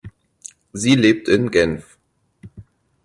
Sie lebt in Genf.